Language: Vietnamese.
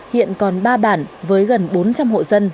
hiện còn ba bản với gần bốn trăm linh hộ dân